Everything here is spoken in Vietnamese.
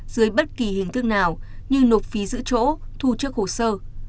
dưới bất kỳ hình thức nào như nộp phí giữ chỗ thu trước hồ sơ